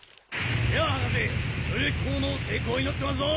では博士処女飛行の成功を祈ってますぞ。